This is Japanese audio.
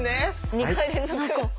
２回連続。